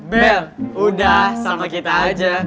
bel udah sama kita aja